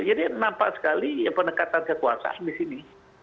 jadi nampak sekali ya penekatan kekuasaan di sini